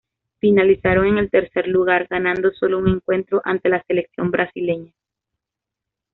Finalizaron en el tercer lugar, ganando sólo un encuentro ante la selección brasileña.